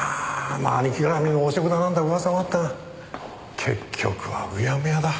まあ兄貴絡みの汚職だなんだ噂もあったが結局はうやむやだ。